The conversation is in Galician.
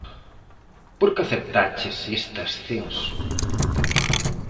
Por que aceptaches este ascenso?